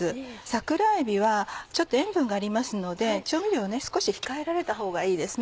桜えびはちょっと塩分がありますので調味料は少し控えられたほうがいいです。